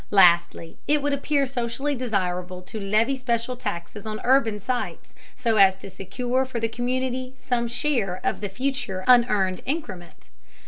Lastly, it would appear socially desirable to levy special taxes on urban sites, so as to secure for the community some share of the future unearned increment.